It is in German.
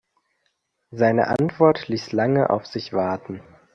Seine Antwort ließ lange auf sich warten.